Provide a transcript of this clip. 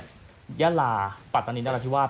แล้วเนี่ยหญ้าหลาปัดตอนนี้ได้แล้วที่ว่า